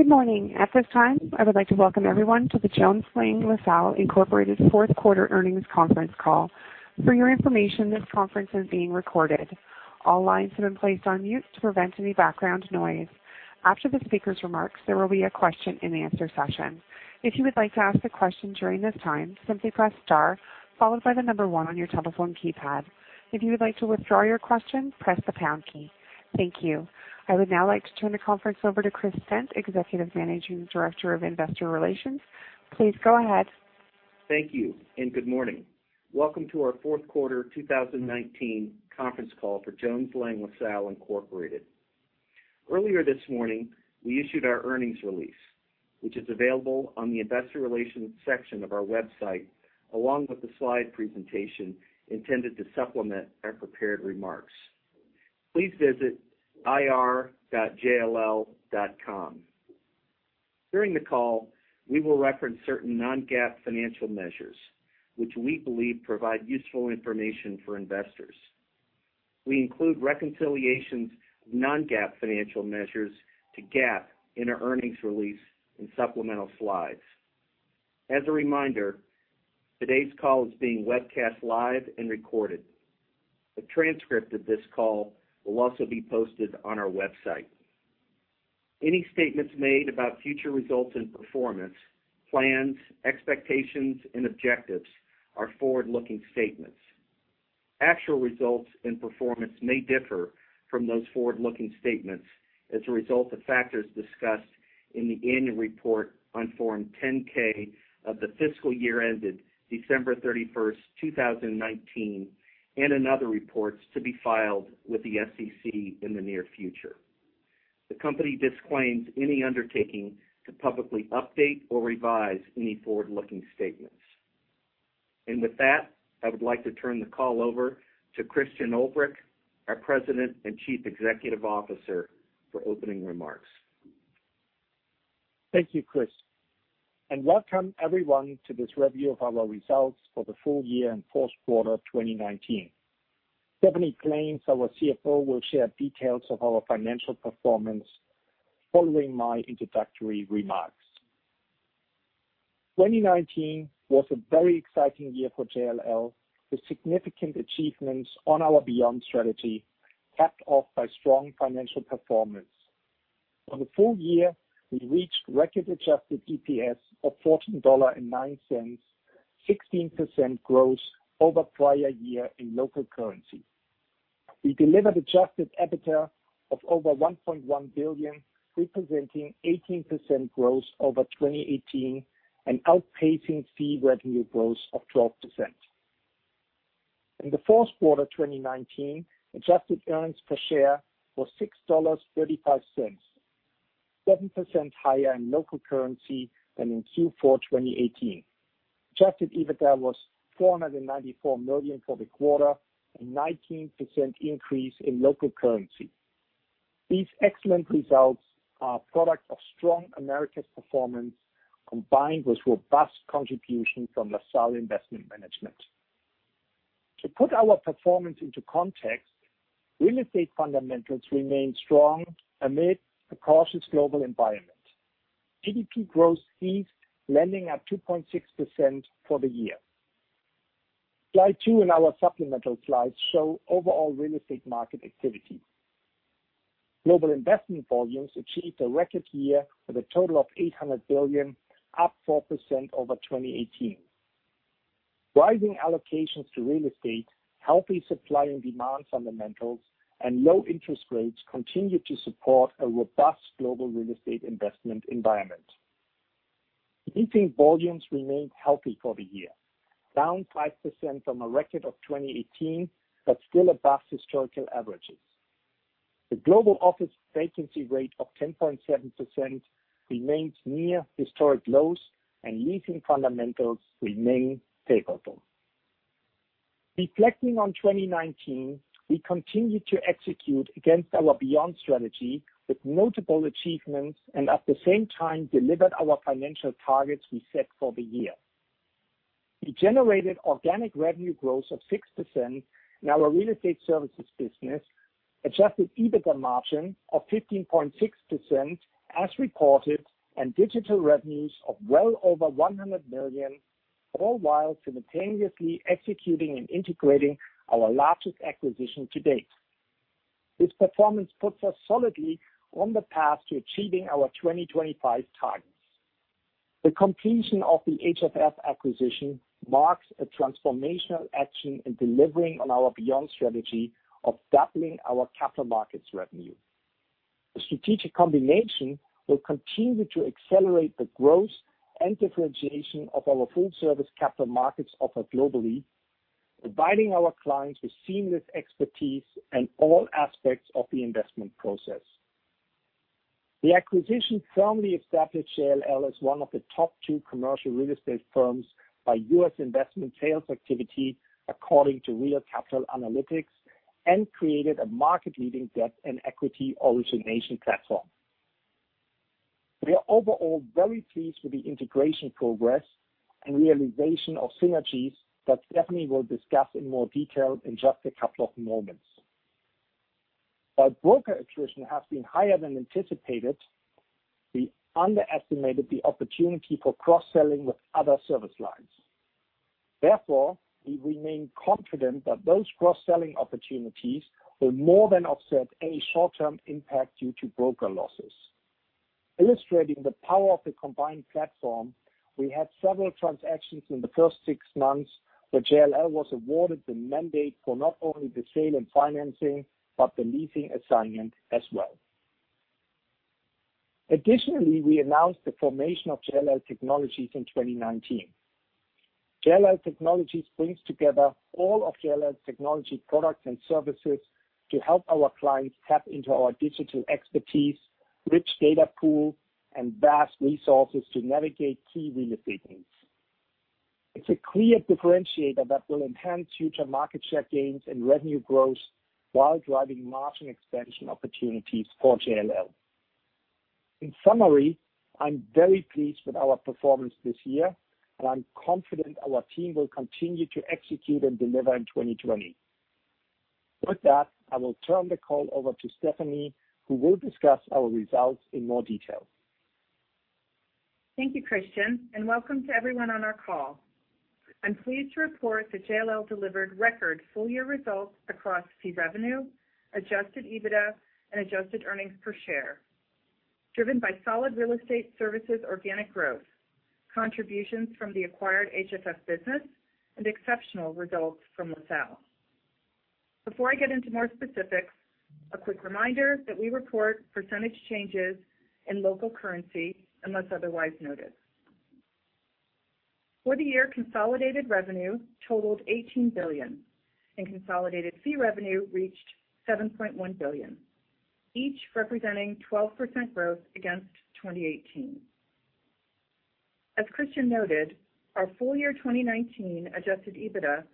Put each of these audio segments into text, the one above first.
Good morning. At this time, I would like to welcome everyone to the Jones Lang LaSalle Incorporated fourth quarter earnings conference call. For your information, this conference is being recorded. All lines have been placed on mute to prevent any background noise. After the speaker's remarks, there will be a question and answer session. If you would like to ask a question during this time, simply press star followed by the number one on your telephone keypad. If you would like to withdraw your question, press the pound key. Thank you. I would now like to turn the conference over to Christopher Stent, Executive Managing Director of Investor Relations. Please go ahead. Thank you. Good morning. Welcome to our fourth quarter 2019 conference call for Jones Lang LaSalle Incorporated. Earlier this morning, we issued our earnings release, which is available on the investor relations section of our website, along with the slide presentation intended to supplement our prepared remarks. Please visit ir.jll.com. During the call, we will reference certain non-GAAP financial measures, which we believe provide useful information for investors. We include reconciliations of non-GAAP financial measures to GAAP in our earnings release and supplemental slides. As a reminder, today's call is being webcast live and recorded. A transcript of this call will also be posted on our website. Any statements made about future results and performance, plans, expectations, and objectives are forward-looking statements. Actual results and performance may differ from those forward-looking statements as a result of factors discussed in the annual report on Form 10-K of the fiscal year ended December 31, 2019, and in other reports to be filed with the SEC in the near future. The company disclaims any undertaking to publicly update or revise any forward-looking statements. With that, I would like to turn the call over to Christian Ulbrich, our President and Chief Executive Officer, for opening remarks. Thank you, Chris, and welcome everyone to this review of our results for the full year and fourth quarter of 2019. Stephanie Plaines, our CFO, will share details of our financial performance following my introductory remarks. 2019 was a very exciting year for JLL, with significant achievements on our Beyond strategy, capped off by strong financial performance. For the full year, we reached record adjusted EPS of $14.09, 16% growth over prior year in local currency. We delivered adjusted EBITDA of over $1.1 billion, representing 18% growth over 2018 and outpacing fee revenue growth of 12%. In the fourth quarter of 2019, adjusted earnings per share was $6.35, 7% higher in local currency than in Q4 2018. Adjusted EBITDA was $494 million for the quarter, a 19% increase in local currency. These excellent results are products of strong Americas performance combined with robust contribution from LaSalle Investment Management. To put our performance into context, real estate fundamentals remained strong amid a cautious global environment. GDP growth ceased, landing at 2.6% for the year. Slide two in our supplemental slides show overall real estate market activity. Global investment volumes achieved a record year with a total of $800 billion, up 4% over 2018. Rising allocations to real estate, healthy supply and demand fundamentals, and low interest rates continue to support a robust global real estate investment environment. Leasing volumes remained healthy for the year, down 5% from a record of 2018, but still above historical averages. The global office vacancy rate of 10.7% remains near historic lows, and leasing fundamentals remain favorable. Reflecting on 2019, we continued to execute against our Beyond strategy with multiple achievements and at the same time delivered our financial targets we set for the year. We generated organic revenue growth of 6% in our real estate services business, adjusted EBITDA margin of 15.6% as reported, and digital revenues of well over $100 million, all while simultaneously executing and integrating our largest acquisition to date. This performance puts us solidly on the path to achieving our 2025 targets. The completion of the HFF acquisition marks a transformational action in delivering on our Beyond strategy of doubling our capital markets revenue. The strategic combination will continue to accelerate the growth and differentiation of our full-service capital markets offer globally, providing our clients with seamless expertise in all aspects of the investment process. The acquisition firmly established JLL as one of the top two commercial real estate firms by U.S. investment sales activity, according to Real Capital Analytics, and created a market-leading debt and equity origination platform. We are overall very pleased with the integration progress and realization of synergies that Stephanie will discuss in more detail in just a couple of moments. While broker attrition has been higher than anticipated, we underestimated the opportunity for cross-selling with other service lines. Therefore, we remain confident that those cross-selling opportunities will more than offset any short-term impact due to broker losses. Illustrating the power of the combined platform, we had several transactions in the first six months where JLL was awarded the mandate for not only the sale and financing, but the leasing assignment as well. Additionally, we announced the formation of JLL Technologies in 2019. JLL Technologies brings together all of JLL's technology products and services to help our clients tap into our digital expertise, rich data pool, and vast resources to navigate key real estate needs. It's a clear differentiator that will enhance future market share gains and revenue growth while driving margin expansion opportunities for JLL. In summary, I'm very pleased with our performance this year, and I'm confident our team will continue to execute and deliver in 2020. With that, I will turn the call over to Stephanie, who will discuss our results in more detail. Thank you, Christian, and welcome to everyone on our call. I'm pleased to report that JLL delivered record full-year results across fee revenue, adjusted EBITDA, and adjusted earnings per share, driven by solid real estate services organic growth, contributions from the acquired HFF business, and exceptional results from LaSalle. Before I get into more specifics, a quick reminder that we report percentage changes in local currency unless otherwise noted. For the year, consolidated revenue totaled $18 billion, and consolidated fee revenue reached $7.1 billion, each representing 12% growth against 2018. As Christian noted, our full year 2019 adjusted EBITDA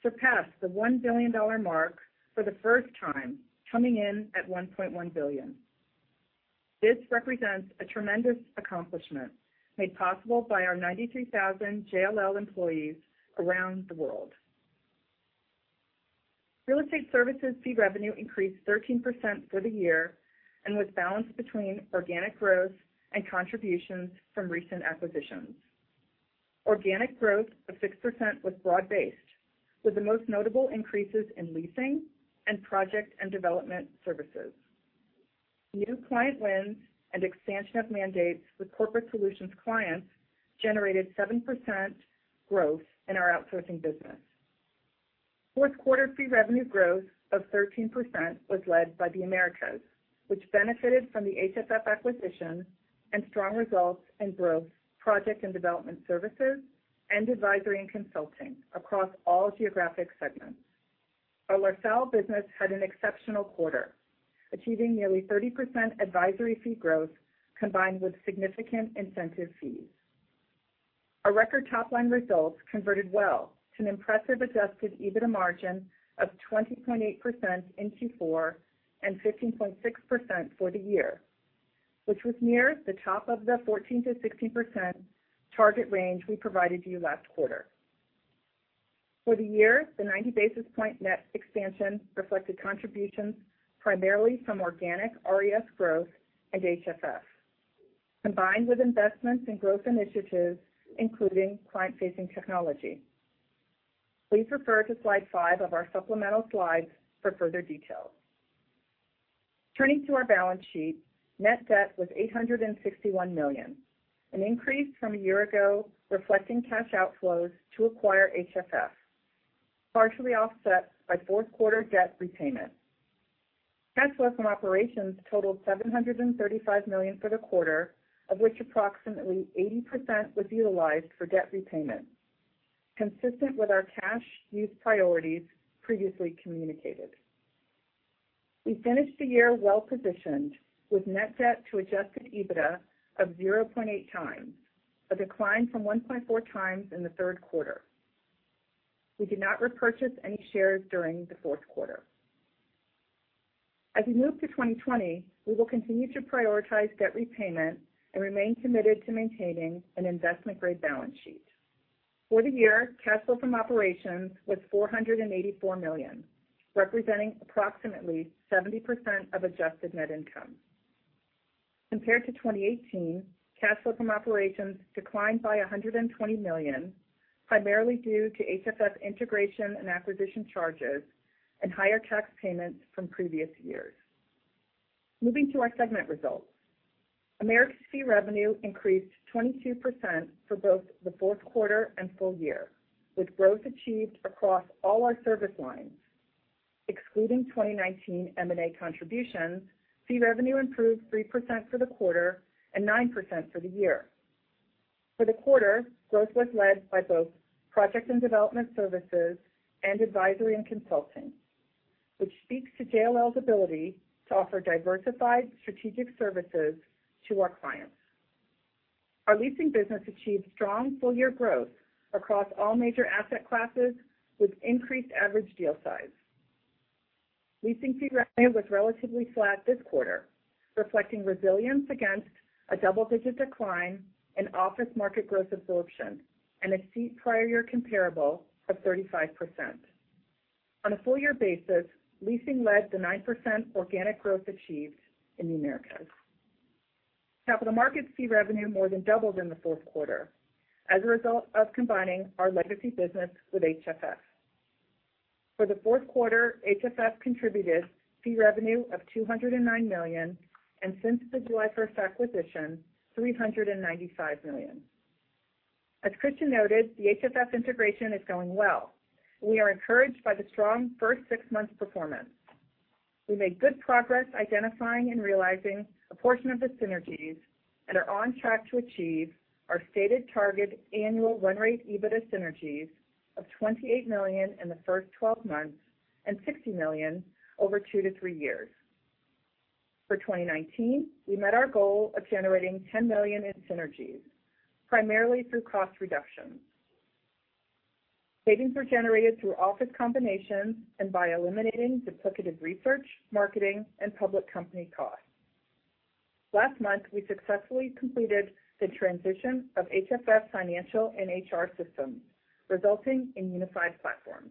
surpassed the $1 billion mark for the first time, coming in at $1.1 billion. This represents a tremendous accomplishment made possible by our 93,000 JLL employees around the world. Real estate services fee revenue increased 13% for the year and was balanced between organic growth and contributions from recent acquisitions. Organic growth of 6% was broad-based, with the most notable increases in leasing and project and development services. New client wins and expansion of mandates with Corporate Solutions clients generated 7% growth in our outsourcing business. Fourth quarter fee revenue growth of 13% was led by the Americas, which benefited from the HFF acquisition and strong results in growth, project and development services, and advisory and consulting across all geographic segments. Our LaSalle business had an exceptional quarter, achieving nearly 30% advisory fee growth combined with significant incentive fees. Our record top-line results converted well to an impressive adjusted EBITDA margin of 20.8% in Q4 and 15.6% for the year, which was near the top of the 14%-16% target range we provided you last quarter. For the year, the 90 basis point net expansion reflected contributions primarily from organic RES growth and HFF, combined with investments in growth initiatives, including client-facing technology. Please refer to slide five of our supplemental slides for further details. Turning to our balance sheet, net debt was $861 million, an increase from a year ago, reflecting cash outflows to acquire HFF, partially offset by fourth quarter debt repayment. Cash flow from operations totaled $735 million for the quarter, of which approximately 80% was utilized for debt repayment, consistent with our cash use priorities previously communicated. We finished the year well-positioned with net debt to adjusted EBITDA of 0.8x, a decline from 1.4x in the third quarter. We did not repurchase any shares during the fourth quarter. As we move to 2020, we will continue to prioritize debt repayment and remain committed to maintaining an investment-grade balance sheet. For the year, cash flow from operations was $484 million, representing approximately 70% of adjusted net income. Compared to 2018, cash flow from operations declined by $120 million, primarily due to HFF integration and acquisition charges and higher tax payments from previous years. Moving to our segment results. Americas fee revenue increased 22% for both the fourth quarter and full year, with growth achieved across all our service lines. Excluding 2019 M&A contributions, fee revenue improved 3% for the quarter and 9% for the year. For the quarter, growth was led by both project and development services and advisory and consulting, which speaks to JLL's ability to offer diversified strategic services to our clients. Our leasing business achieved strong full-year growth across all major asset classes with increased average deal size. Leasing fee revenue was relatively flat this quarter, reflecting resilience against a double-digit decline in office market growth absorption and exceed prior year comparable of 35%. On a full year basis, leasing led to 9% organic growth achieved in the Americas. Capital markets fee revenue more than doubled in the fourth quarter as a result of combining our legacy business with HFF. For the fourth quarter, HFF contributed fee revenue of $209 million, and since the July 1st acquisition, $395 million. As Christian noted, the HFF integration is going well. We are encouraged by the strong first six months performance. We made good progress identifying and realizing a portion of the synergies and are on track to achieve our stated target annual run rate EBITDA synergies of $28 million in the first 12 months and $60 million over two-three years. For 2019, we met our goal of generating $10 million in synergies, primarily through cost reductions. Savings were generated through office combinations and by eliminating duplicative research, marketing, and public company costs. Last month, we successfully completed the transition of HFF financial and HR systems, resulting in unified platforms.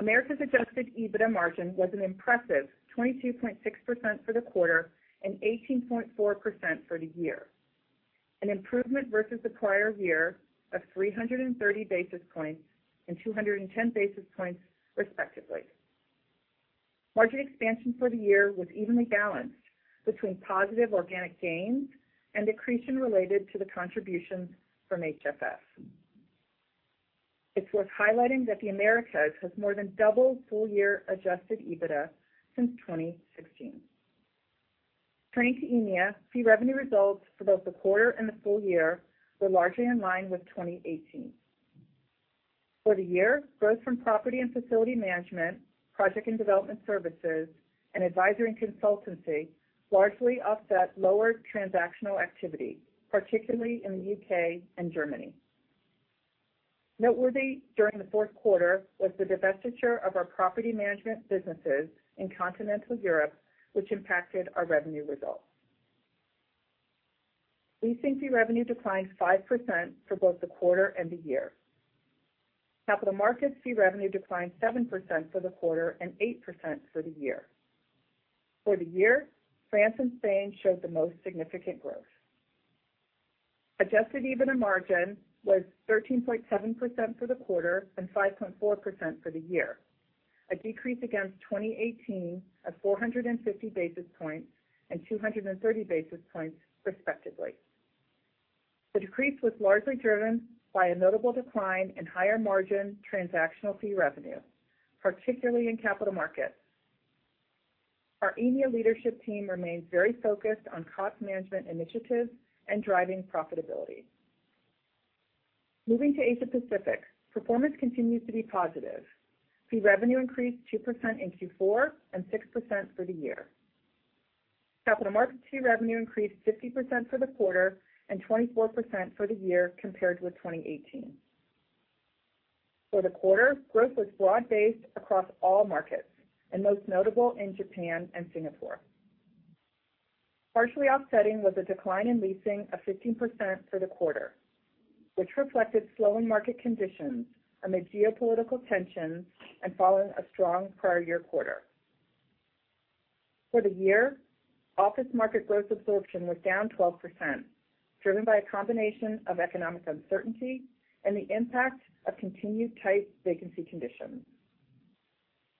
Americas adjusted EBITDA margin was an impressive 22.6% for the quarter and 18.4% for the year, an improvement versus the prior year of 330 basis points and 210 basis points, respectively. Margin expansion for the year was evenly balanced between positive organic gains and accretion related to the contributions from HFF. It's worth highlighting that the Americas has more than doubled full year adjusted EBITDA since 2016. Turning to EMEA, fee revenue results for both the quarter and the full year were largely in line with 2018. For the year, growth from property and facility management, project and development services, and advisory and consultancy largely offset lower transactional activity, particularly in the U.K. and Germany. Noteworthy during the fourth quarter was the divestiture of our property management businesses in continental Europe, which impacted our revenue results. Leasing fee revenue declined 5% for both the quarter and the year. Capital markets fee revenue declined 7% for the quarter and 8% for the year. For the year, France and Spain showed the most significant growth. Adjusted EBITDA margin was 13.7% for the quarter and 5.4% for the year, a decrease against 2018 of 450 basis points and 230 basis points, respectively. The decrease was largely driven by a notable decline in higher margin transactional fee revenue, particularly in capital markets. Our EMEA leadership team remains very focused on cost management initiatives and driving profitability. Moving to Asia Pacific. Performance continues to be positive. Fee revenue increased 2% in Q4 and 6% for the year. Capital markets fee revenue increased 50% for the quarter and 24% for the year compared with 2018. For the quarter, growth was broad-based across all markets and most notable in Japan and Singapore. Partially offsetting was a decline in leasing of 15% for the quarter, which reflected slowing market conditions amid geopolitical tensions and following a strong prior year quarter. For the year, office market growth absorption was down 12%, driven by a combination of economic uncertainty and the impact of continued tight vacancy conditions.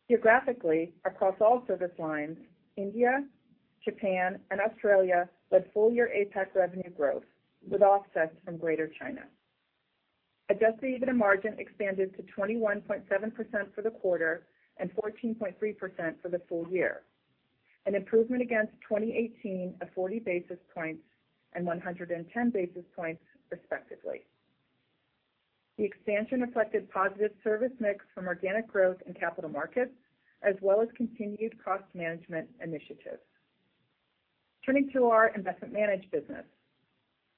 Geographically, across all service lines, India, Japan, and Australia led full year APAC revenue growth, with offsets from Greater China. Adjusted EBITDA margin expanded to 21.7% for the quarter and 14.3% for the full year, an improvement against 2018 of 40 basis points and 110 basis points, respectively. The expansion reflected positive service mix from organic growth in capital markets, as well as continued cost management initiatives. Turning to our investment management business.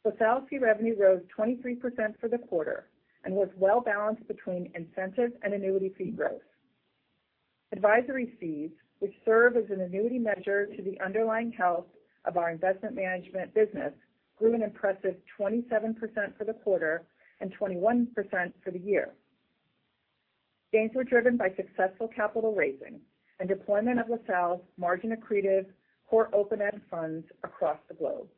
LaSalle fee revenue rose 23% for the quarter and was well balanced between incentive and annuity fee growth. Advisory fees, which serve as an annuity measure to the underlying health of our investment management business, grew an impressive 27% for the quarter and 21% for the year. Gains were driven by successful capital raising and deployment of LaSalle's margin-accretive core open-end funds across the globe.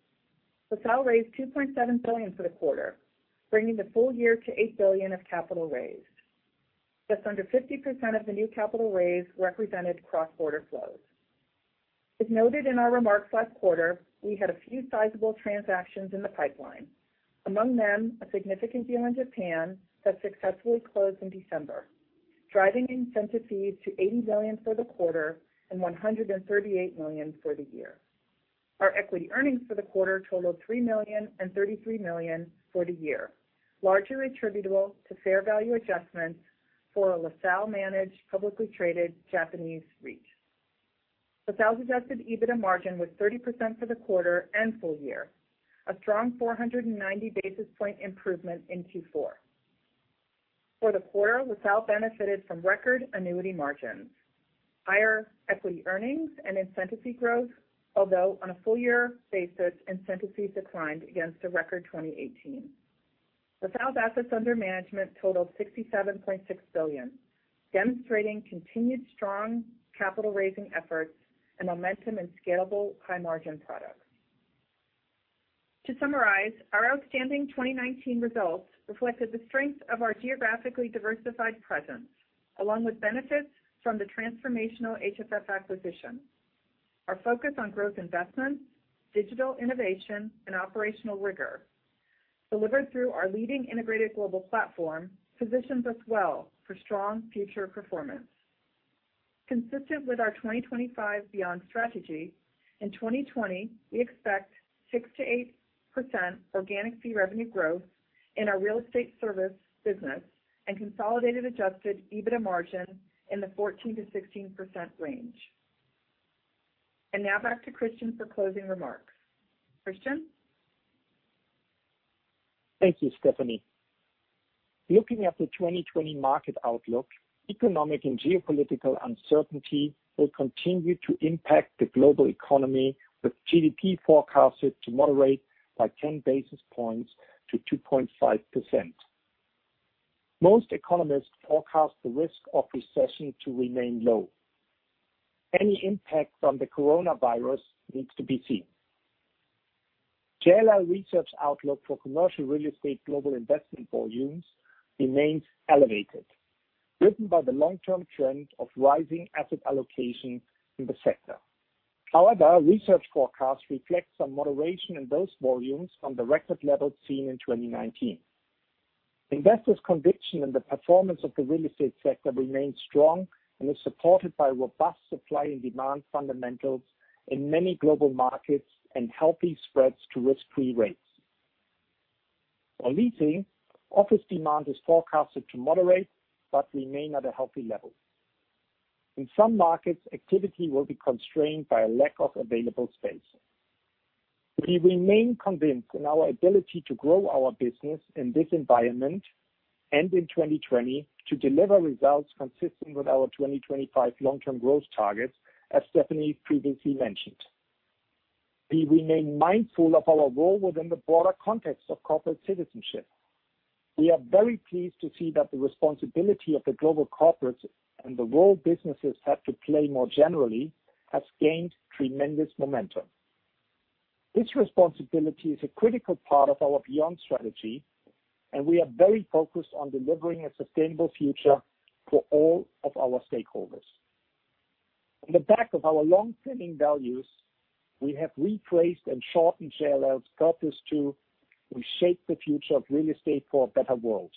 LaSalle raised $2.7 billion for the quarter, bringing the full year to $8 billion of capital raised. Just under 50% of the new capital raised represented cross-border flows. As noted in our remarks last quarter, we had a few sizable transactions in the pipeline, among them a significant deal in Japan that successfully closed in December, driving incentive fees to $80 million for the quarter and $138 million for the year. Our equity earnings for the quarter totaled $3 million and $33 million for the year, largely attributable to fair value adjustments for a LaSalle-managed, publicly traded Japanese REIT. LaSalle's adjusted EBITDA margin was 30% for the quarter and full year, a strong 490 basis point improvement in Q4. For the quarter, LaSalle benefited from record annuity margins, higher equity earnings, and incentive fee growth. On a full year basis, incentive fees declined against a record 2018. LaSalle's assets under management totaled $67.6 billion, demonstrating continued strong capital raising efforts and momentum in scalable, high-margin products. To summarize, our outstanding 2019 results reflected the strength of our geographically diversified presence, along with benefits from the transformational HFF acquisition. Our focus on growth investments, digital innovation, and operational rigor delivered through our leading integrated global platform positions us well for strong future performance. Consistent with our 2025 Beyond strategy, in 2020 we expect 6%-8% organic fee revenue growth in our real estate service business and consolidated adjusted EBITDA margin in the 14%-16% range. Now back to Christian for closing remarks. Christian? Thank you, Stephanie. Looking at the 2020 market outlook, economic and geopolitical uncertainty will continue to impact the global economy, with GDP forecasted to moderate by 10 basis points to 2.5%. Most economists forecast the risk of recession to remain low. Any impact from the coronavirus needs to be seen. JLL Research outlook for commercial real estate global investment volumes remains elevated, driven by the long-term trend of rising asset allocation in the sector. However, research forecasts reflect some moderation in those volumes from the record levels seen in 2019. Investors' conviction in the performance of the real estate sector remains strong and is supported by robust supply and demand fundamentals in many global markets, and healthy spreads to risk-free rates. On leasing, office demand is forecasted to moderate but remain at a healthy level. In some markets, activity will be constrained by a lack of available space. We remain convinced in our ability to grow our business in this environment and in 2020 to deliver results consistent with our 2025 long-term growth targets, as Stephanie previously mentioned. We remain mindful of our role within the broader context of corporate citizenship. We are very pleased to see that the responsibility of the global corporates and the role businesses have to play more generally has gained tremendous momentum. This responsibility is a critical part of our Beyond strategy, and we are very focused on delivering a sustainable future for all of our stakeholders. On the back of our long-standing values, we have replaced and shortened JLL's purpose to, "We shape the future of real estate for a better world."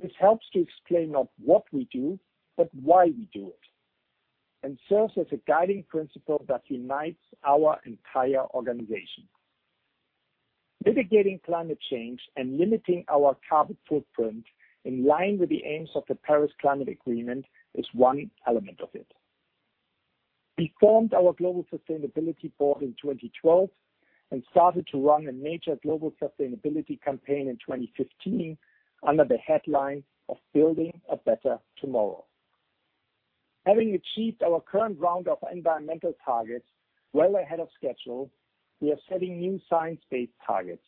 This helps to explain not what we do but why we do it, and serves as a guiding principle that unites our entire organization. Mitigating climate change and limiting our carbon footprint in line with the aims of the Paris Agreement is one element of it. We formed our Global Sustainability Board in 2012 and started to run a major global sustainability campaign in 2015 under the headline of Building a Better Tomorrow. Having achieved our current round of environmental targets well ahead of schedule, we are setting new science-based targets.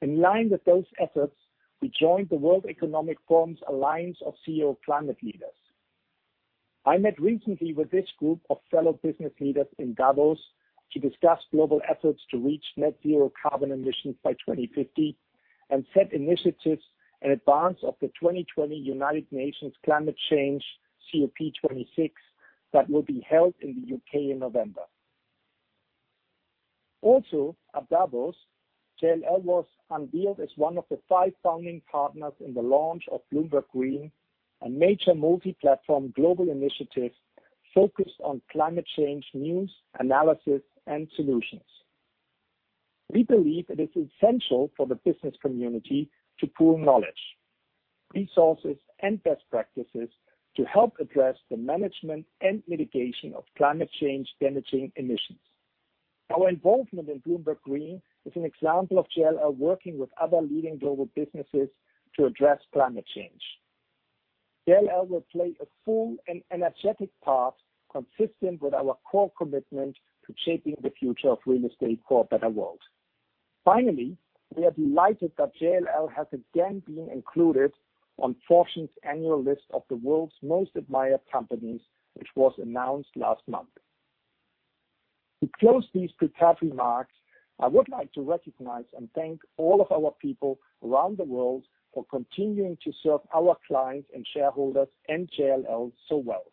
In line with those efforts, we joined the World Economic Forum's Alliance of CEO Climate Leaders. I met recently with this group of fellow business leaders in Davos to discuss global efforts to reach net zero carbon emissions by 2050 and set initiatives in advance of the 2020 United Nations Climate Change COP26 that will be held in the U.K. in November. At Davos, JLL was unveiled as one of the five founding partners in the launch of Bloomberg Green, a major multi-platform global initiative focused on climate change news, analysis, and solutions. We believe it is essential for the business community to pool knowledge, resources, and best practices to help address the management and mitigation of climate change-damaging emissions. Our involvement in Bloomberg Green is an example of JLL working with other leading global businesses to address climate change. JLL will play a full and energetic part consistent with our core commitment to shaping the future of real estate for a better world. We are delighted that JLL has again been included on Fortune's annual list of the World's Most Admired Companies, which was announced last month. To close these prepared remarks, I would like to recognize and thank all of our people around the world for continuing to serve our clients and shareholders and JLL so well.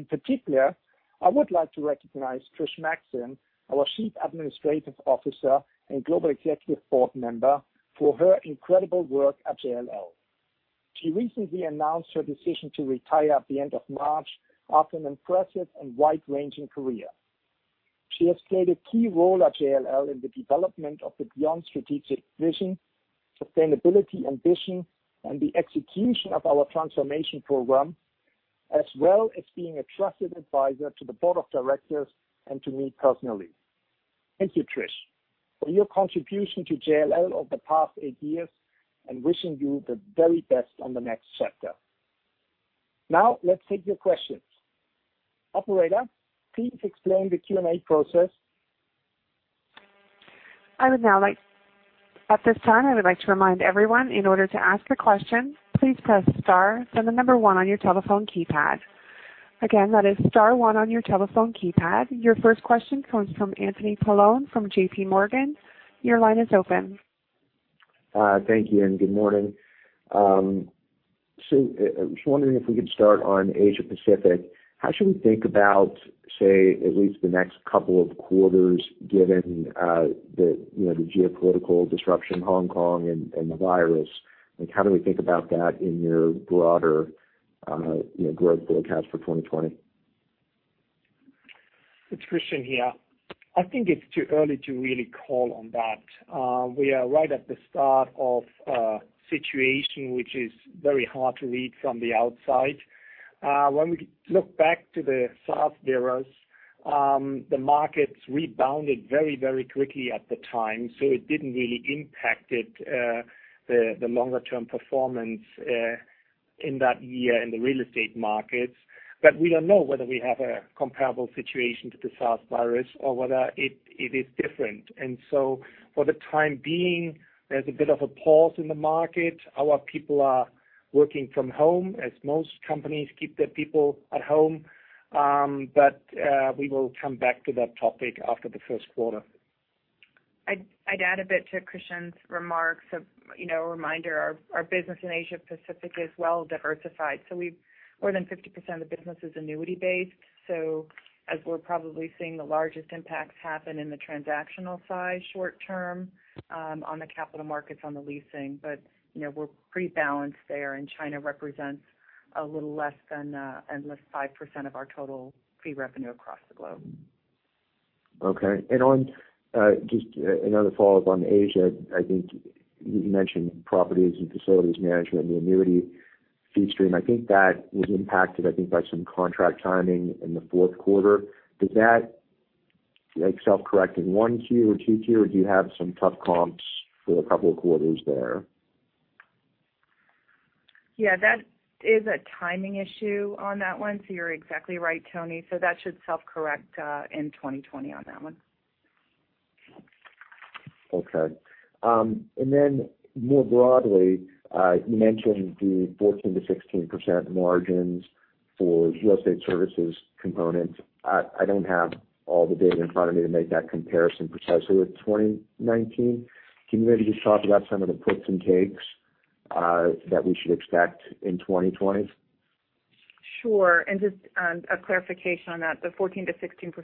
In particular, I would like to recognize Trish Maxson, our Chief Administrative Officer and global executive board member, for her incredible work at JLL. She recently announced her decision to retire at the end of March after an impressive and wide-ranging career. She has played a key role at JLL in the development of the Beyond strategic vision, sustainability ambition, and the execution of our transformation program, as well as being a trusted advisor to the board of directors and to me personally. Thank you, Trish, for your contribution to JLL over the past eight years, and wishing you the very best on the next chapter. Now, let's take your questions. Operator, please explain the Q&A process. At this time, I would like to remind everyone, in order to ask a question, please press star, then the number one on your telephone keypad. Again, that is star one on your telephone keypad. Your first question comes from Anthony Paolone from JPMorgan. Your line is open. Thank you. Good morning. I was wondering if we could start on Asia Pacific. How should we think about, say, at least the next couple of quarters, given the geopolitical disruption in Hong Kong and the coronavirus? How do we think about that in your broader growth forecast for 2020? It's Christian here. I think it's too early to really call on that. We are right at the start of a situation which is very hard to read from the outside. When we look back to the SARS virus, the markets rebounded very, very quickly at the time. It didn't really impact the longer-term performance in that year in the real estate markets. We don't know whether we have a comparable situation to the SARS virus or whether it is different. For the time being, there's a bit of a pause in the market. Our people are working from home as most companies keep their people at home. We will come back to that topic after the first quarter. I'd add a bit to Christian's remarks. A reminder, our business in Asia Pacific is well diversified. More than 50% of the business is annuity based. As we're probably seeing the largest impacts happen in the transactional side short term on the capital markets, on the leasing. We're pretty balanced there, and China represents a little less than 5% of our total fee revenue across the globe. Okay. Just another follow-up on Asia. I think you mentioned properties and facilities management and the annuity fee stream. That was impacted by some contract timing in the fourth quarter. Does that self-correct in 1Q or 2Q, or do you have some tough comps for a couple of quarters there? Yeah, that is a timing issue on that one. You're exactly right, Tony. That should self-correct in 2020 on that one. Okay. More broadly, you mentioned the 14%-16% margins for real estate services component. I don't have all the data in front of me to make that comparison precisely with 2019. Can you maybe just talk about some of the puts and takes that we should expect in 2020? Sure. Just a clarification on that, the 14%-16%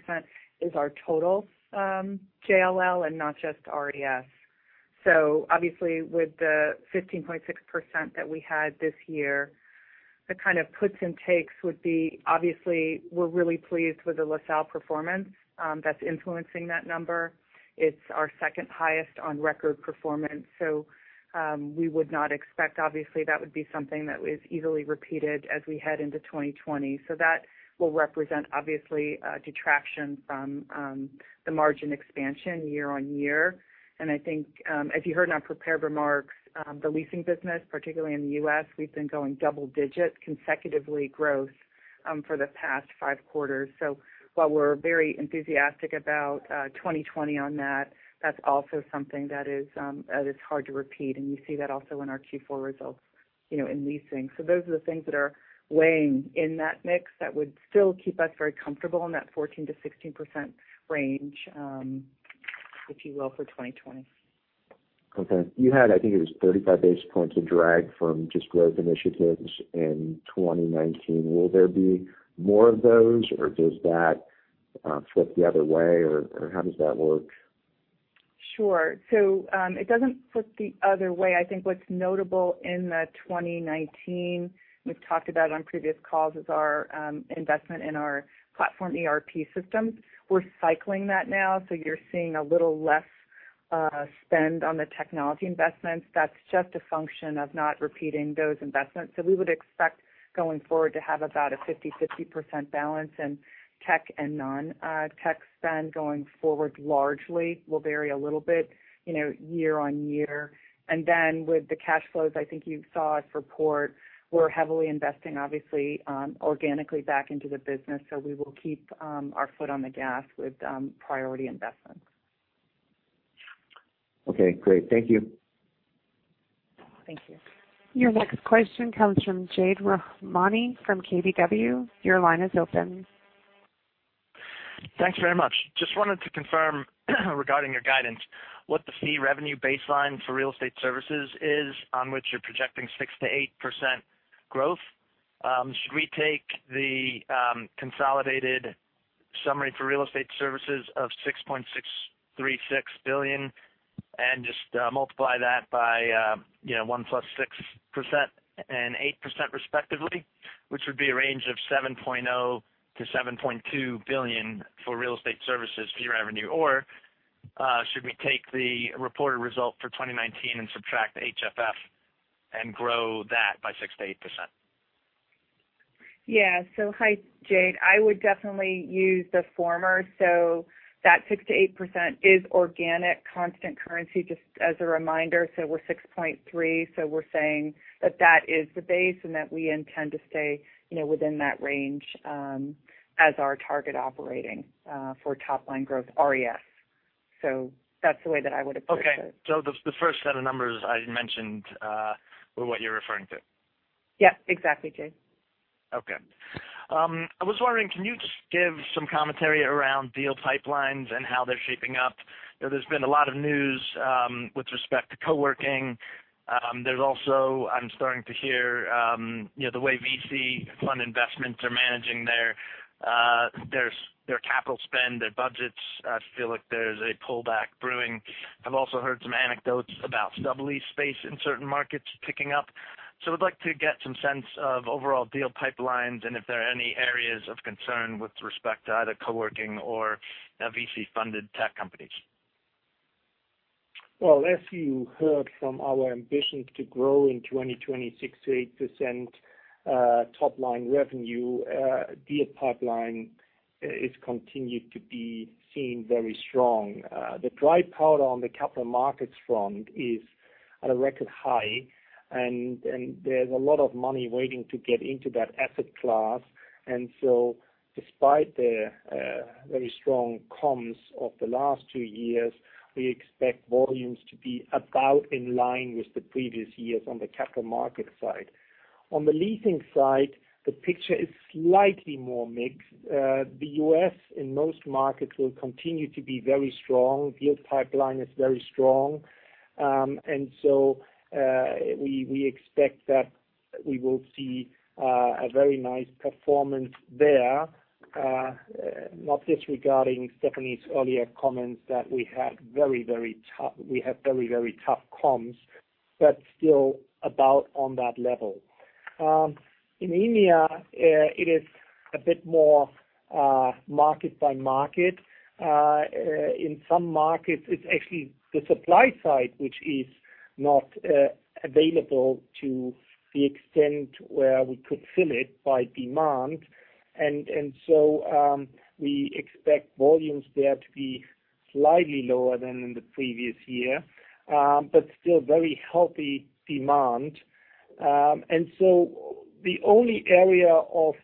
is our total JLL and not just RES. Obviously with the 15.6% that we had this year, the kind of puts and takes would be obviously we're really pleased with the LaSalle performance that's influencing that number. It's our second highest on record performance. We would not expect, obviously, that would be something that is easily repeated as we head into 2020. That will represent obviously a detraction from the margin expansion year-on-year. I think as you heard in our prepared remarks, the leasing business, particularly in the U.S., we've been going double-digit consecutively growth for the past five quarters. While we're very enthusiastic about 2020 on that's also something that is hard to repeat. You see that also in our Q4 results in leasing. Those are the things that are weighing in that mix that would still keep us very comfortable in that 14%-16% range, if you will, for 2020. Okay. You had, I think it was 35 basis points of drag from just growth initiatives in 2019. Will there be more of those, or does that flip the other way, or how does that work? Sure. It doesn't flip the other way. I think what's notable in the 2019, we've talked about on previous calls, is our investment in our platform ERP systems. We're cycling that now, so you're seeing a little less spend on the technology investments. That's just a function of not repeating those investments. We would expect going forward to have about a 50/50 balance in tech and non-tech spend going forward, largely. Will vary a little bit year on year. Then with the cash flows, I think you saw it for Port, we're heavily investing, obviously, organically back into the business. We will keep our foot on the gas with priority investments. Okay, great. Thank you. Thank you. Your next question comes from Jade Rahmani from KBW. Your line is open. Thanks very much. Just wanted to confirm regarding your guidance, what the fee revenue baseline for real estate services is on which you're projecting 6%-8% growth. Should we take the consolidated summary for real estate services of $6.636 billion and just multiply that by 1% + 6% and 8% respectively, which would be a range of $7.0 billion-$7.2 billion for real estate services fee revenue, or should we take the reported result for 2019 and subtract the HFF and grow that by 6%-8%? Hi, Jade. That 6%-8% is organic constant currency, just as a reminder. We're 6.3%. We're saying that that is the base and that we intend to stay within that range as our target operating for top-line growth RES. That's the way that I would approach it. Okay. The first set of numbers I mentioned were what you're referring to. Yes, exactly, Jade. Okay. I was wondering, can you just give some commentary around deal pipelines and how they're shaping up? There's been a lot of news with respect to co-working. There's also, I'm starting to hear the way VC fund investments are managing their capital spend, their budgets. I feel like there's a pullback brewing. I've also heard some anecdotes about sublease space in certain markets picking up. I'd like to get some sense of overall deal pipelines and if there are any areas of concern with respect to either co-working or VC-funded tech companies. Well, as you heard from our ambition to grow in 2020, 6%-8% top-line revenue, deal pipeline is continued to be seen very strong. The dry powder on the capital markets front is at a record high. There's a lot of money waiting to get into that asset class. Despite the very strong comps of the last two years, we expect volumes to be about in line with the previous years on the capital market side. On the leasing side, the picture is slightly more mixed. The U.S. and most markets will continue to be very strong. Deal pipeline is very strong. We expect that we will see a very nice performance there. Not disregarding Stephanie Plaines' earlier comments that we have very, very tough comps, but still about on that level. In EMEA, it is a bit more market by market. In some markets, it's actually the supply side, which is not available to the extent where we could fill it by demand. We expect volumes there to be slightly lower than in the previous year, but still very healthy demand. The only area of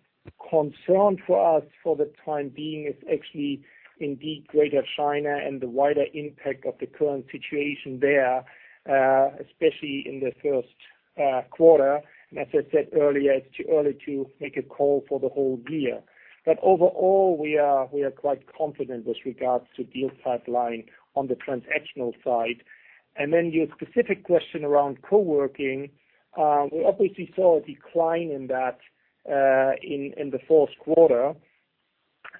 concern for us for the time being is actually indeed Greater China and the wider impact of the current situation there, especially in the first quarter. As I said earlier, it's too early to make a call for the whole year. Overall, we are quite confident with regards to deal pipeline on the transactional side. Your specific question around co-working. We obviously saw a decline in that in the fourth quarter.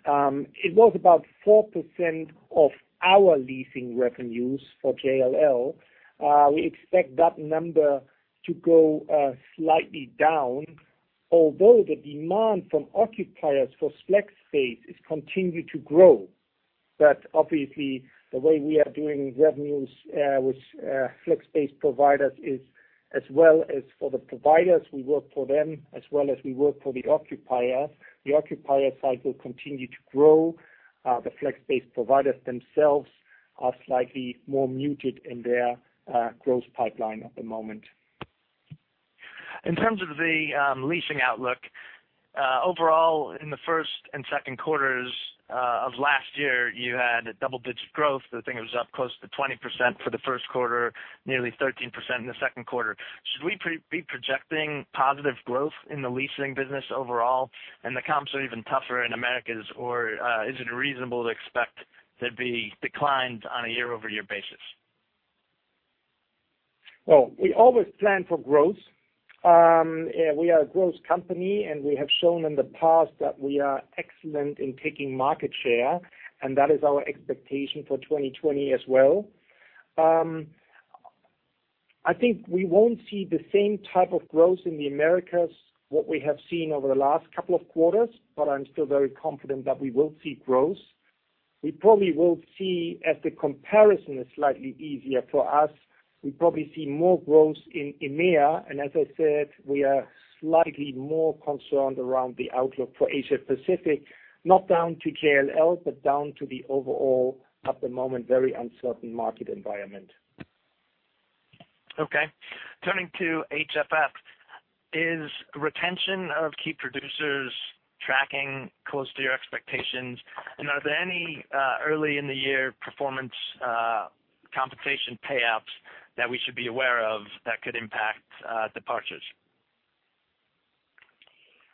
It was about 4% of our leasing revenues for JLL. We expect that number to go slightly down, although the demand from occupiers for flex space is continued to grow. Obviously, the way we are doing revenues with flex-based providers is as well as for the providers we work for them as well as we work for the occupiers. The occupier side will continue to grow. The flex-based providers themselves are slightly more muted in their growth pipeline at the moment. In terms of the leasing outlook, overall in the first and second quarters of last year, you had double-digit growth. I think it was up close to 20% for the first quarter, nearly 13% in the second quarter. Should we be projecting positive growth in the leasing business overall? The comps are even tougher in Americas, or is it reasonable to expect to be declined on a year-over-year basis? Well, we always plan for growth. We are a growth company, and we have shown in the past that we are excellent in taking market share, and that is our expectation for 2020 as well. I think we won't see the same type of growth in the Americas, what we have seen over the last couple of quarters, but I'm still very confident that we will see growth. We probably will see as the comparison is slightly easier for us. We probably see more growth in EMEA, and as I said, we are slightly more concerned around the outlook for Asia-Pacific, not down to JLL, but down to the overall, at the moment, very uncertain market environment. Okay. Turning to HFF, is retention of key producers tracking close to your expectations? Are there any early in the year performance compensation payouts that we should be aware of that could impact departures?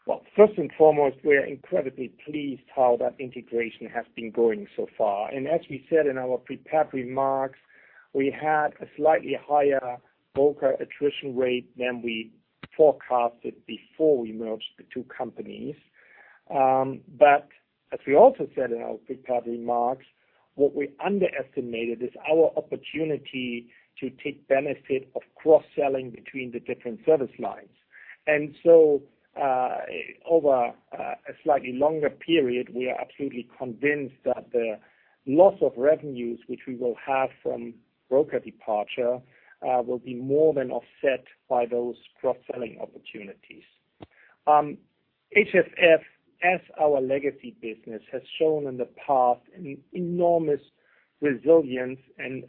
Well, first and foremost, we are incredibly pleased how that integration has been going so far. As we said in our prepared remarks, we had a slightly higher broker attrition rate than we forecasted before we merged the two companies. As we also said in our prepared remarks, what we underestimated is our opportunity to take benefit of cross-selling between the different service lines. Over a slightly longer period, we are absolutely convinced that the loss of revenues, which we will have from broker departure, will be more than offset by those cross-selling opportunities. HFF, as our legacy business, has shown in the past an enormous resilience and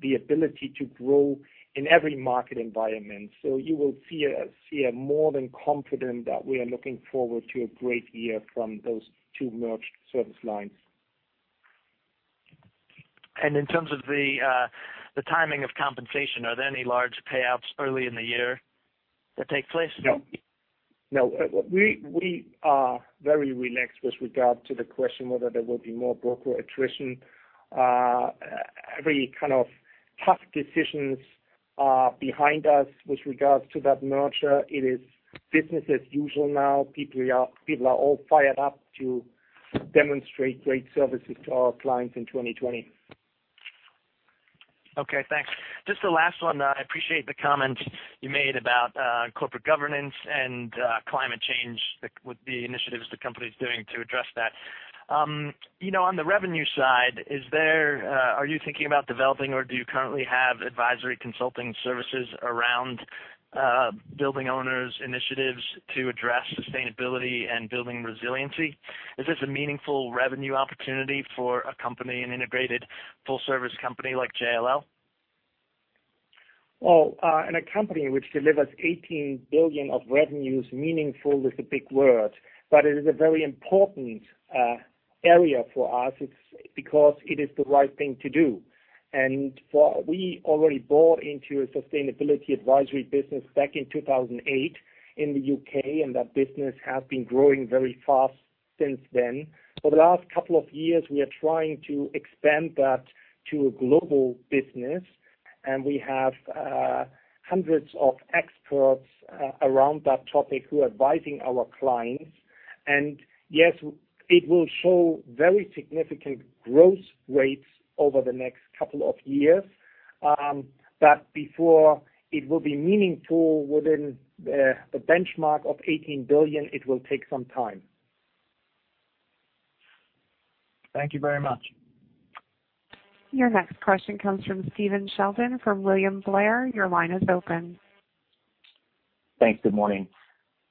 the ability to grow in every market environment. You will see I'm more than confident that we are looking forward to a great year from those two merged service lines. In terms of the timing of compensation, are there any large payouts early in the year that take place? No. We are very relaxed with regard to the question whether there will be more broker attrition. Every kind of tough decisions are behind us with regards to that merger. It is business as usual now. People are all fired up to demonstrate great services to our clients in 2020. Okay, thanks. Just the last one. I appreciate the comment you made about corporate governance and climate change with the initiatives the company is doing to address that. On the revenue side, are you thinking about developing, or do you currently have advisory consulting services around building owners initiatives to address sustainability and building resiliency? Is this a meaningful revenue opportunity for a company, an integrated full-service company like JLL? Well, in a company which delivers $18 billion of revenues, meaningful is a big word, but it is a very important area for us. It's because it is the right thing to do. We already bought into a sustainability advisory business back in 2008 in the U.K., and that business has been growing very fast since then. For the last couple of years, we are trying to expand that to a global business, and we have hundreds of experts around that topic who are advising our clients. Yes, it will show very significant growth rates over the next couple of years. Before it will be meaningful within the benchmark of $18 billion, it will take some time. Thank you very much. Your next question comes from Stephen Sheldon from William Blair. Your line is open. Thanks. Good morning.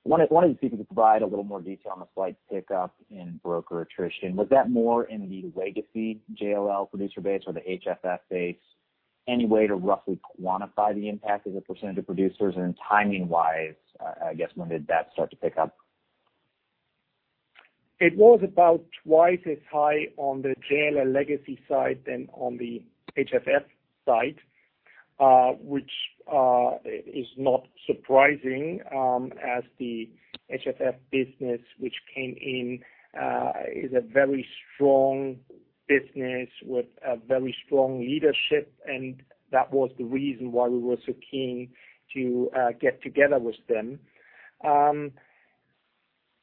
I was wondering if you could provide a little more detail on the slight pickup in broker attrition. Was that more in the legacy JLL producer base or the HFF base? Any way to roughly quantify the impact as a percentage of producers? Timing-wise, I guess, when did that start to pick up? It was about twice as high on the JLL legacy side than on the HFF side, which is not surprising as the HFF business which came in is a very strong business with a very strong leadership, and that was the reason why we were so keen to get together with them.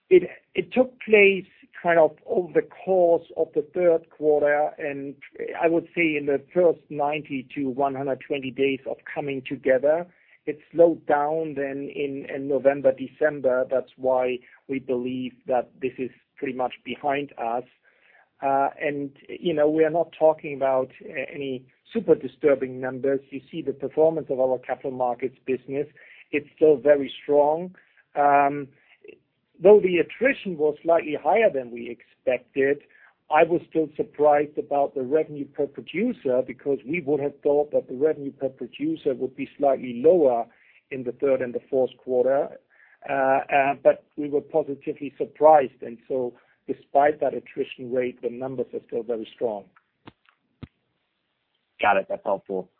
It took place kind of over the course of the third quarter and I would say in the first 90-120 days of coming together. It slowed down in November, December. That's why we believe that this is pretty much behind us. We are not talking about any super disturbing numbers. You see the performance of our capital markets business. It's still very strong. Though the attrition was slightly higher than we expected, I was still surprised about the revenue per producer because we would have thought that the revenue per producer would be slightly lower in the third and the fourth quarter. We were positively surprised, despite that attrition rate, the numbers are still very strong. Got it. That's helpful.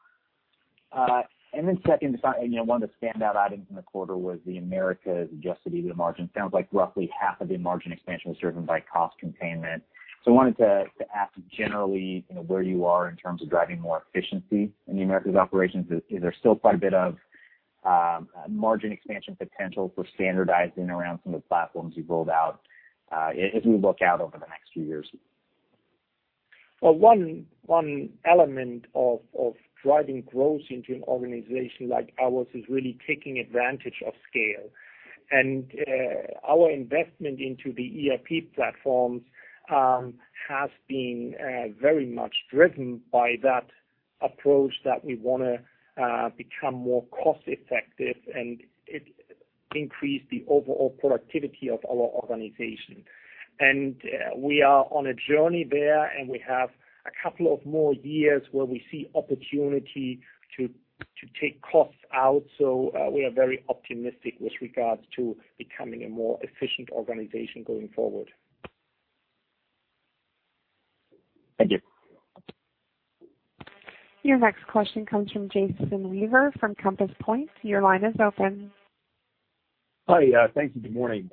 Then second, one of the standout items in the quarter was the Americas adjusted EBITDA margin. Sounds like roughly half of the margin expansion was driven by cost containment. I wanted to ask generally where you are in terms of driving more efficiency in the Americas operations. Is there still quite a bit of margin expansion potential for standardizing around some of the platforms you've rolled out as we look out over the next few years? Well, one element of driving growth into an organization like ours is really taking advantage of scale. Our investment into the ERP platforms has been very much driven by that approach that we want to become more cost-effective and increase the overall productivity of our organization. We are on a journey there, and we have a couple of more years where we see opportunity to take costs out. We are very optimistic with regards to becoming a more efficient organization going forward. Thank you. Your next question comes from Jason Weaver from Compass Point. Your line is open. Hi. Thank you. Good morning.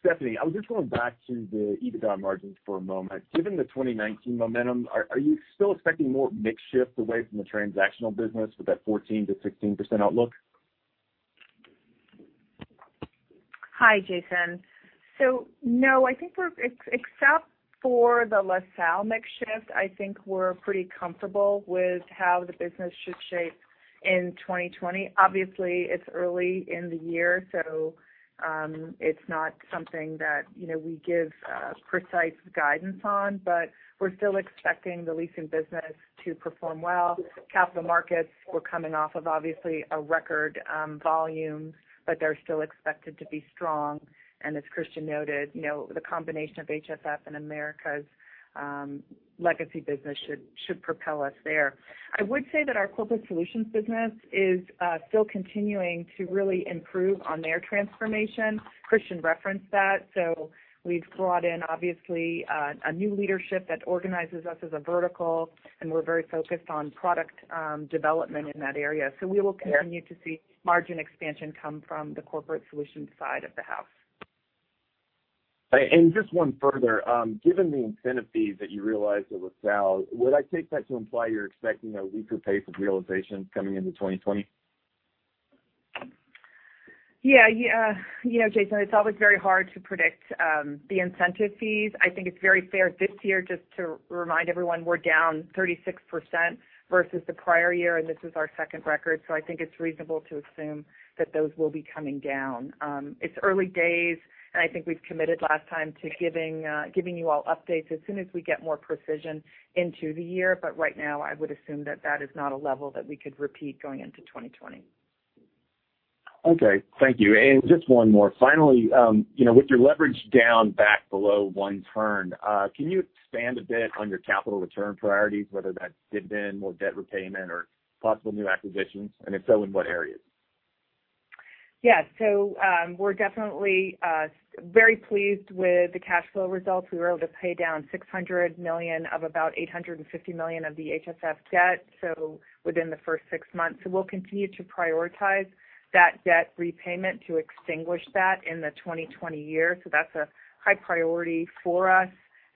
Stephanie, I was just going back to the EBITDA margins for a moment. Given the 2019 momentum, are you still expecting more mix shift away from the transactional business with that 14%-16% outlook? Hi, Jason. No, I think except for the LaSalle mix shift, I think we're pretty comfortable with how the business should shape in 2020. Obviously, it's early in the year, so it's not something that we give precise guidance on. We're still expecting the leasing business to perform well. Capital markets were coming off of, obviously, a record volume, but they're still expected to be strong. As Christian noted, the combination of HFF and America's legacy business should propel us there. I would say that our Corporate Solutions business is still continuing to really improve on their transformation. Christian referenced that. We've brought in, obviously, a new leadership that organizes us as a vertical, and we're very focused on product development in that area. We will continue to see margin expansion come from the Corporate Solutions side of the house. Just one further. Given the incentive fees that you realized at LaSalle, would I take that to imply you're expecting a weaker pace of realization coming into 2020? Jason, it's always very hard to predict the incentive fees. I think it's very fair this year just to remind everyone, we're down 36% versus the prior year, and this is our second record. I think it's reasonable to assume that those will be coming down. It's early days, and I think we've committed last time to giving you all updates as soon as we get more precision into the year. Right now, I would assume that that is not a level that we could repeat going into 2020. Okay. Thank you. Just one more. Finally, with your leverage down back below one turn, can you expand a bit on your capital return priorities, whether that's dividend or debt repayment or possible new acquisitions? If so, in what areas? We're definitely very pleased with the cash flow results. We were able to pay down $600 million of about $850 million of the HFF debt within the first six months. We'll continue to prioritize that debt repayment to extinguish that in the 2020 year. That's a high priority for us,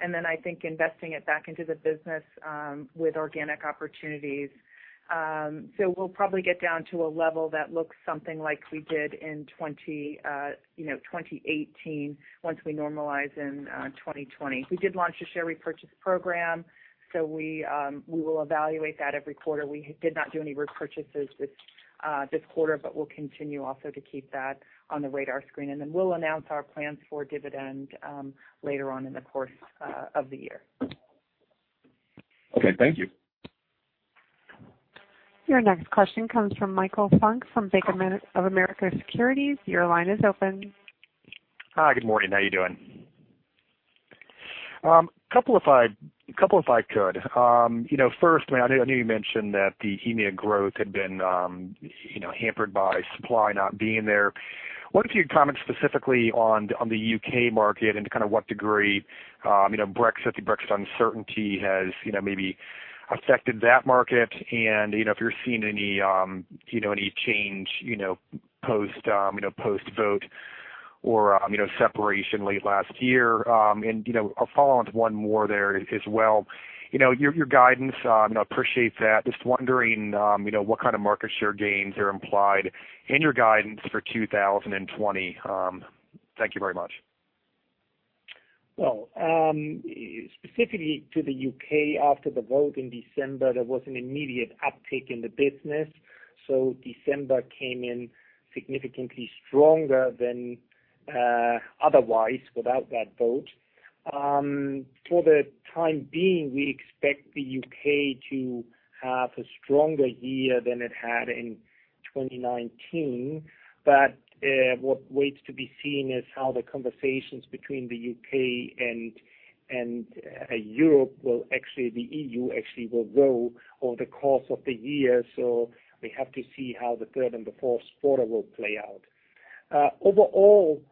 investing it back into the business with organic opportunities. We'll probably get down to a level that looks something like we did in 2018 once we normalize in 2020. We did launch a share repurchase program. We will evaluate that every quarter. We did not do any repurchases this quarter, but we'll continue also to keep that on the radar screen. We'll announce our plans for dividend later on in the course of the year. Okay. Thank you. Your next question comes from Michael Funk from Bank of America Securities. Your line is open. Hi. Good morning. How you doing? A couple if I could. First, I know you mentioned that the EMEA growth had been hampered by supply not being there. What if you comment specifically on the U.K. market and to what degree the Brexit uncertainty has maybe affected that market, and if you're seeing any change, post-vote or separation late last year. I'll follow onto one more there as well. Your guidance, I appreciate that. Just wondering what kind of market share gains are implied in your guidance for 2020. Thank you very much. Well, specifically to the U.K., after the vote in December, there was an immediate uptick in the business. December came in significantly stronger than otherwise without that vote. For the time being, we expect the U.K. to have a stronger year than it had in 2019. What waits to be seen is how the conversations between the U.K. and the EU actually will go over the course of the year. We have to see how the third and the fourth quarter will play out. Overall,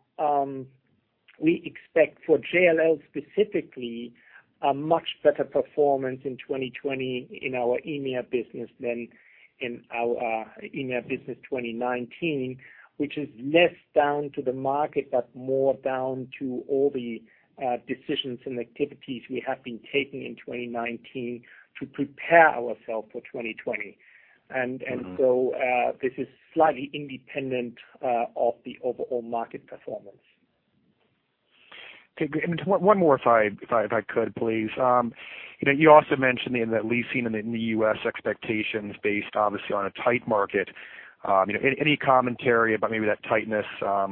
we expect for JLL specifically, a much better performance in 2020 in our EMEA business than in our EMEA business 2019, which is less down to the market, but more down to all the decisions and activities we have been taking in 2019 to prepare ourselves for 2020. This is slightly independent of the overall market performance. Okay. One more, if I could please. You also mentioned in the leasing in the U.S. expectations based obviously on a tight market. Any commentary about maybe that tightness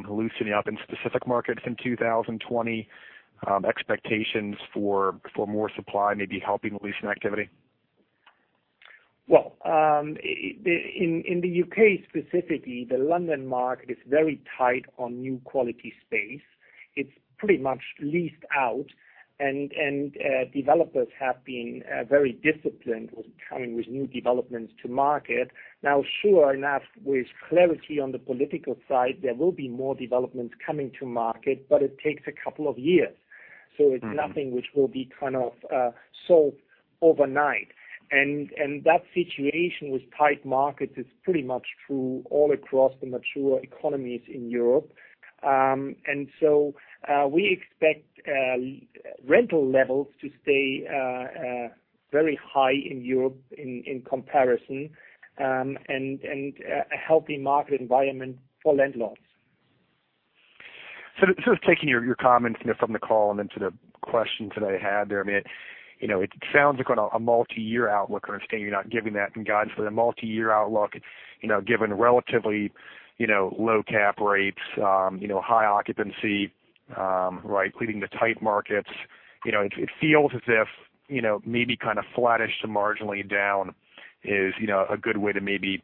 loosening up in specific markets in 2020? Expectations for more supply, maybe helping leasing activity? In the U.K. specifically, the London market is very tight on new quality space. It's pretty much leased out, and developers have been very disciplined with coming with new developments to market. Now, sure enough, with clarity on the political side, there will be more developments coming to market, but it takes a couple of years. It's nothing which will be kind of solved overnight. That situation with tight markets is pretty much true all across the mature economies in Europe. We expect rental levels to stay very high in Europe in comparison, and a healthy market environment for landlords. Taking your comments from the call and then to the questions that I had there, it sounds like on a multi-year outlook or understanding, you're not giving that in guidance. For the multi-year outlook, given relatively low cap rates, high occupancy including the tight markets, it feels as if maybe kind of flattish to marginally down is a good way to maybe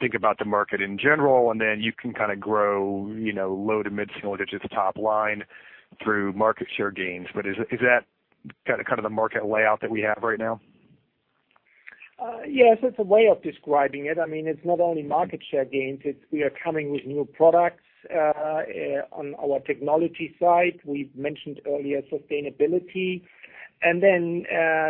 think about the market in general, and then you can kind of grow low to mid single digits top line through market share gains. Is that the market layout that we have right now? Yes, that's a way of describing it. It's not only market share gains, it's we are coming with new products on our technology side. We've mentioned earlier sustainability.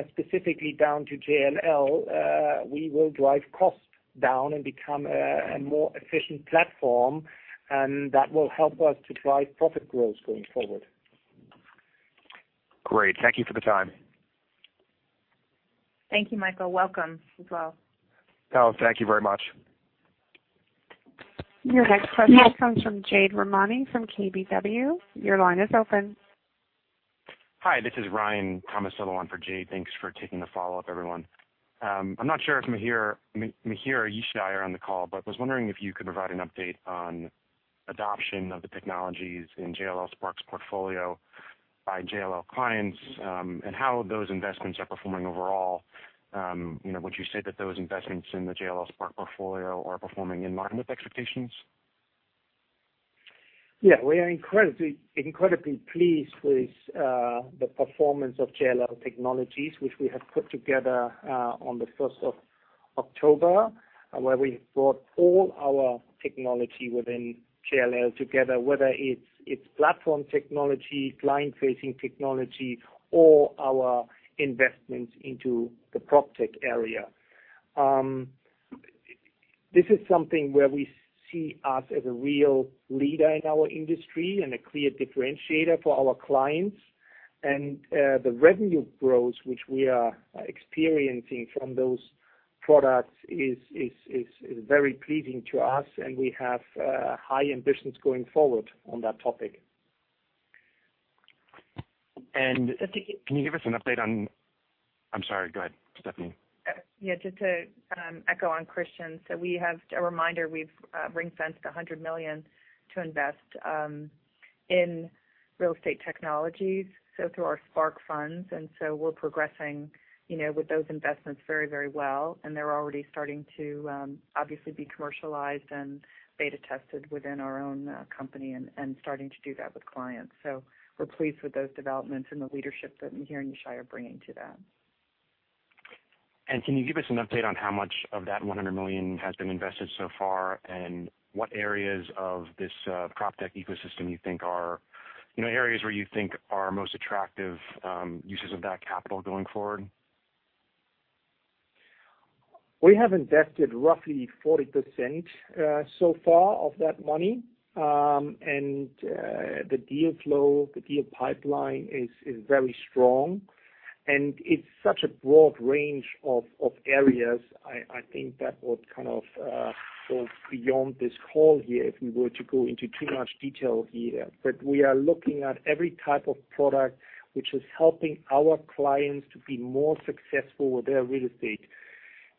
Specifically down to JLL, we will drive costs down and become a more efficient platform, and that will help us to drive profit growth going forward. Great. Thank you for the time. Thank you, Michael. Welcome as well. Oh, thank you very much. Your next question comes from Jade Rahmani from KBW. Your line is open. Hi, this is Ryan Tomasello, still on for Jade. Thanks for taking the follow-up, everyone. I'm not sure if Mihir or Yishai are on the call, but was wondering if you could provide an update on adoption of the technologies in JLL Spark's portfolio by JLL clients, and how those investments are performing overall. Would you say that those investments in the JLL Spark portfolio are performing in line with expectations? Yeah. We are incredibly pleased with the performance of JLL Technologies, which we have put together on the 1st of October, where we brought all our technology within JLL together, whether it's platform technology, client-facing technology, or our investments into the PropTech area. This is something where we see us as a real leader in our industry and a clear differentiator for our clients. The revenue growth which we are experiencing from those products is very pleasing to us, and we have high ambitions going forward on that topic. Can you give us an update? I'm sorry, go ahead, Stephanie. Yeah, just to echo on Christian. We have a reminder, we've ring-fenced $100 million to invest in real estate technologies, so through our Spark funds. We're progressing with those investments very well, and they're already starting to obviously be commercialized and beta tested within our own company and starting to do that with clients. We're pleased with those developments and the leadership that Mihir and Yishai are bringing to that. Can you give us an update on how much of that $100 million has been invested so far, and what areas of this PropTech ecosystem you think are most attractive uses of that capital going forward? We have invested roughly 40% so far of that money. The deal flow, the deal pipeline is very strong. It's such a broad range of areas, I think that would kind of go beyond this call here if we were to go into too much detail here. We are looking at every type of product which is helping our clients to be more successful with their real estate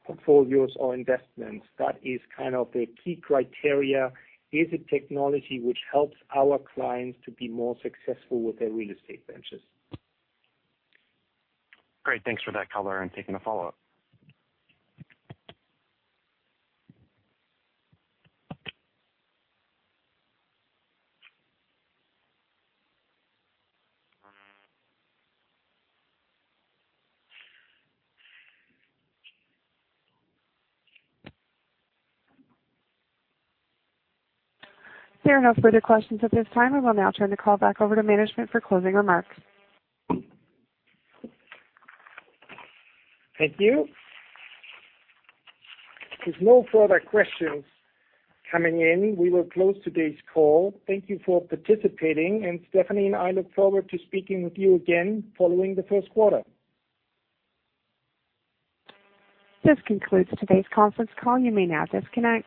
portfolios or investments. That is kind of the key criteria. Is it technology which helps our clients to be more successful with their real estate ventures? Great, thanks for that color and taking the follow-up. There are no further questions at this time. I will now turn the call back over to management for closing remarks. Thank you. If there's no further questions coming in, we will close today's call. Thank you for participating, and Stephanie and I look forward to speaking with you again following the first quarter. This concludes today's conference call. You may now disconnect.